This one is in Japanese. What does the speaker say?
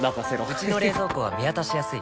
うちの冷蔵庫は見渡しやすい